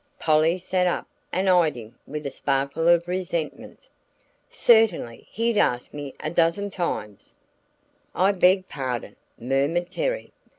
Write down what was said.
Polly sat up and eyed him with a sparkle of resentment. "Certainly, he'd asked me a dozen times." "I beg pardon!" murmured Terry.